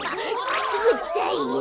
くすぐったいよ。